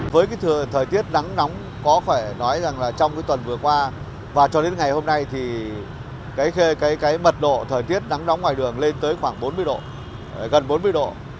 và cho đến ngày hôm nay thì cái mật độ thời tiết nắng nóng ngoài đường lên tới khoảng bốn mươi độ gần bốn mươi độ